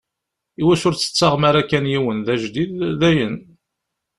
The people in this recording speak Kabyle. Iwacu ur d-tettaɣem ara kan yiwen d ajdid, dayen?